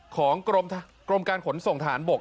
ของกรมการขนส่งทหารบก